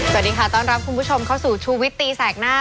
สวัสดีค่ะต้อนรับคุณผู้ชมเข้าสู่ชูวิตตีแสกหน้า